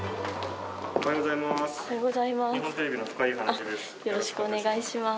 おはようございます。